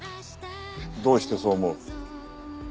どうしてそう思う？